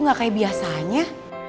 gak kayak biasanya